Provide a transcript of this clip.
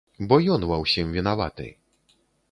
Бо ён ва ўсім вінаваты.